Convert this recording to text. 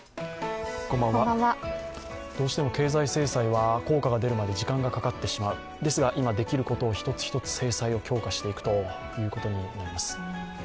どうしても経済制裁が効果が出るまで時間がかかってしまう、ですが今、できることを一つ一つ制裁を強化するということになります。